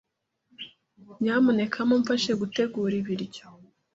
Nyamuneka mumfashe gutegura ibiryo.